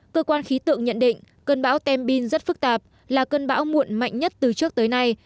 cơ quan khí tượng nhận định cơn bão tem bin rất phức tạp là cơn bão muộn mạnh nhất từ trước tới nay